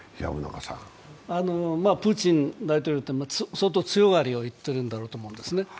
プーチン大統領って相当強がりを言ってるんだと思うんですね。